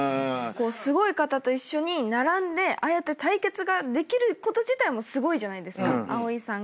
すごい方と一緒に並んでああやって対決ができること自体もすごいじゃないですか蒼さんが。